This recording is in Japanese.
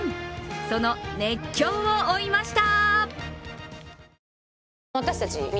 その熱狂を追いました。